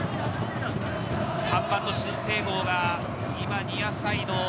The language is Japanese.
３番の志津正剛がニアサイド。